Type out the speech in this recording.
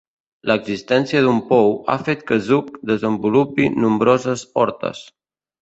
L'existència d'un pou ha fet que Zug desenvolupi nombroses hortes.